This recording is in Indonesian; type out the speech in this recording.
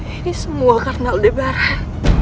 ini semua karena udebaran